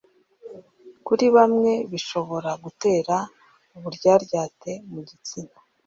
kuri bamwe bishobora gutera uburyaryate mugitsina